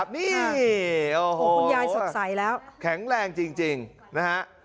นี่โอ้โหคุณยายสดใสแล้วแข็งแรงจริงนะฮะ